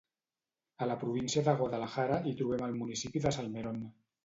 A la província de Guadalajara hi trobem el municipi de Salmerón.